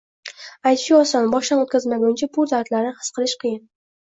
-Aytishga oson. Boshdan o’tkazmaguncha bu dardlarni his qilish qiyin.